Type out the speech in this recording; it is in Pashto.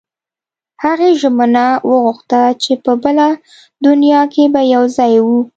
هغې ژمنه وغوښته چې په بله دنیا کې به یو ځای وو